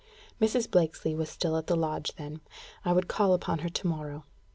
Mrs. Blakesley was still at the lodge, then: I would call upon her to morrow.